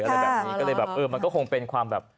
อะไรแบบนี้ก็เลยแบบเออมันก็คงเป็นความแบบ